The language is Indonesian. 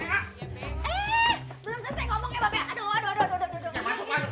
aduh aduh aduh aduh